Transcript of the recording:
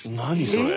それ。